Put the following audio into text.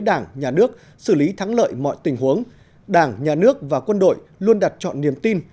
đảng nhà nước xử lý thắng lợi mọi tình huống đảng nhà nước và quân đội luôn đặt chọn niềm tin